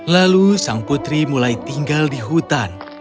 lalu sang putri mulai tinggal di hutan